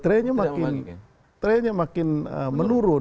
trennya makin menurun